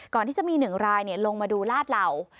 ก่อนที่จะมี๑รายลงมาดูลาดเหล่า